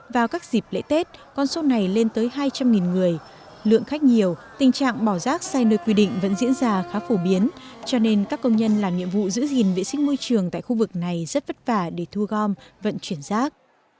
vào các dịp lễ tết con số này lên tới hai trăm linh người lượng khách nhiều tình trạng bỏ rác sai nơi quy định vẫn diễn ra khá phổ biến cho nên các công nhân làm nhiệm vụ giữ gìn vệ sinh môi trường tại khu vực này rất vất vả để thu gom vận chuyển rác